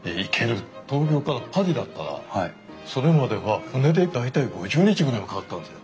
東京からパリだったらそれまでは船で大体５０日ぐらいかかったんですよ。